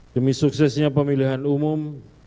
demi suksesnya pemilihan umum